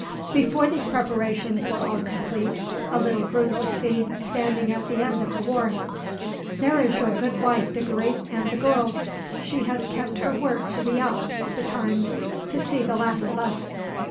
Before these preparations were all complete, a little group was seen, standing at the end of the wharf. "There is your good wife, Diggory, and the girls. She has kept her word to be up, betimes, to see the last of us."